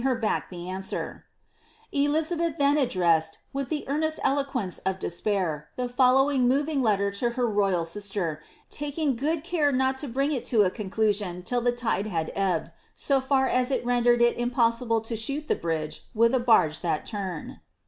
he would hiui e o( i and bhiig her hi Hbeth then adiireiised, with ihe earnest eloquence of despair, the Tollowing moving letter to her royal sister, taLiiig good cure not to bring it to a noncluirioii till the lide had ebh»] no tar as to render it impossi ble to shoot the bridge with a barge that turn.